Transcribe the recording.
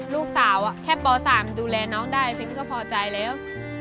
ลูกสาวแค่ป๓ดูแลน้องได้พิมก็พอใจแล้ว